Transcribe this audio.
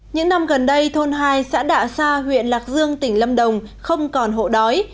những năm gần đây thôn hai xã đạ sa huyện lạc dương tỉnh lâm đồng không còn hộ đói